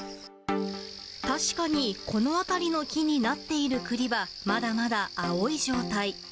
確かにこの辺りの気になっている栗は、まだまだ青い状態。